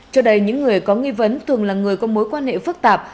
trước đây những người có nghi vấn thường là người có mối quan hệ phức tạp